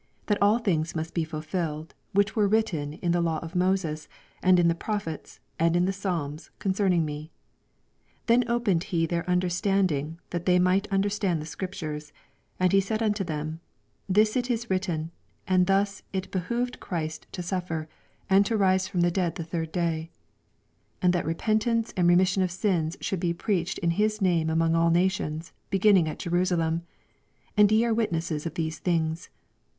that all things must be fulfilled. woLch were written in the Law of Moses, and m ,the Prophets, and in the Psalms, oon ceming me. 45 Then opened ho their under standing, that they might understand the Scriptures. 46 And said unto them, Thus it is vritteu. and thus it behoved Christ to suffer, and to ris^ A*om the (lead the thlra day ; 47 And that repentance and remis sion of sins should be preached in hia name among all nations, be^nniiji^ at Jerusalem. 48 And ye are witnesses of thes^ things.